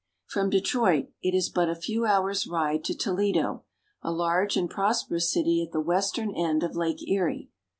From Detroit it is but a few hours' ride to Toledo, a large and prosperous city at the western end of Lake Erie.